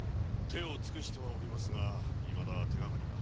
手を尽くしてはおりますがいまだ手掛かりが。